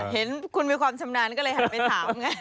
เห็นคุณมีความชำนาญก็เลยหันไปถามไง